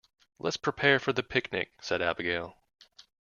"Let's prepare for the picnic!", said Abigail.